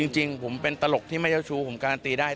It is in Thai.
จริงผมเป็นตลกที่ไม่เจ้าชู้ผมการันตีได้